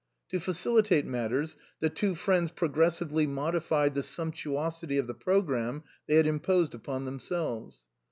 To facilitate matters the two friends progres sively modified the sumptuosity of the programme they had imposed upon themselves.